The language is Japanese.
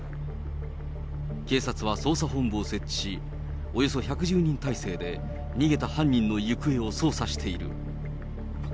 警察は捜査本部を設置し、およそ１１０人態勢で逃げた犯人の行方を捜査している。